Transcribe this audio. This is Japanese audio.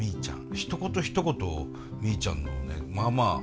ひと言ひと言みーちゃんのねまあまあ